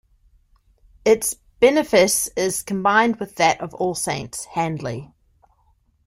Its benefice is combined with that of All Saints, Handley.